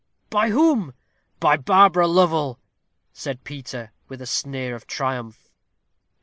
"By whom?" "By Barbara Lovel," said Peter, with a sneer of triumph.